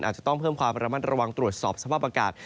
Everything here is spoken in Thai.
อาจจะต้องเพิ่มความระมัดระวังตรวจสอบสภาพอากาศ